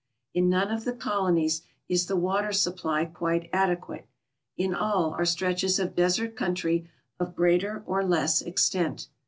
In none of the colonies is the water supply quite adequate; in all are stretches of desert country of greater or less extent.